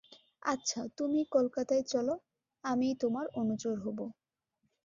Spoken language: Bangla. আচ্ছা, তুমিই কলকাতায় চলো, আমিই তোমার অনুচর হব।